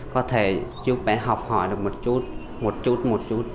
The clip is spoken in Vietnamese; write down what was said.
có thể giúp bé học hỏi được một chút một chút một chút